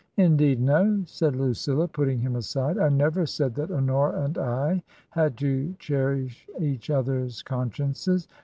Indeed, no " said Lucilla, putting him aside ;'* I never said that Honora and I had to cherish each other's con> sciences